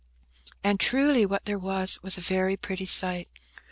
And, truly, what there was, was a very pretty sight.